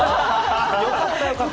よかったよかった！